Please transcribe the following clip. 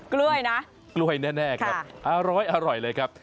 กล้วยนะกล้วยแน่ครับอร้อยเลยครับ